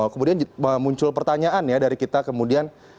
kemudian muncul pertanyaan ya dari kita kemudian